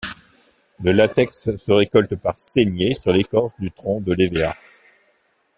Le latex se récolte par saignées sur l’écorce du tronc de l’hévéa.